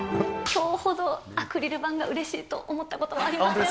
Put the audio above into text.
きょうほどアクリル板がうれしいと思ったことはありません。